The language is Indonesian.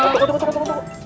tunggu tunggu tunggu